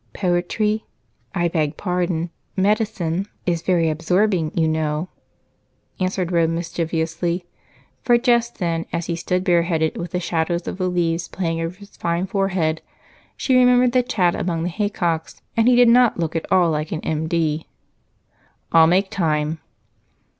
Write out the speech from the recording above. Poetry I beg pardon medicine is very absorbing, you know," answered Rose mischievously, for just then, as he stood bareheaded in the shadows of the leaves playing over his fine forehead, she remembered the chat among the haycocks, and he did not look at all like an M.D. "I'll make time."